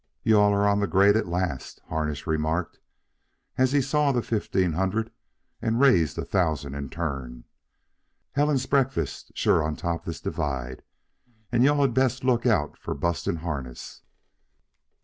"You all are on the grade at last," Harnish remarked, as he saw the fifteen hundred and raised a thousand in turn. "Helen Breakfast's sure on top this divide, and you all had best look out for bustin' harness."